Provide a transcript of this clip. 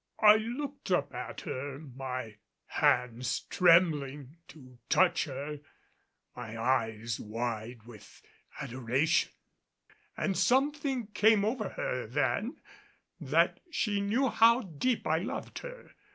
I looked up at her, my hands trembling to touch her, my eyes wide with adoration; and something came over her then that she knew how deep I loved her.